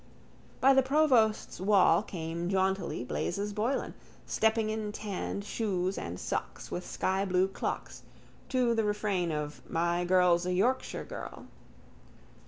By the provost's wall came jauntily Blazes Boylan, stepping in tan shoes and socks with skyblue clocks to the refrain of _My girl's a Yorkshire girl.